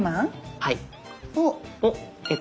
はい。